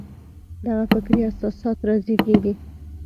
دغه فکري اساسات رازېږي.